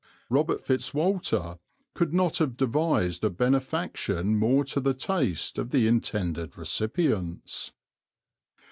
Robert Fitz Walter could not have devised a benefaction more to the taste of the intended recipients.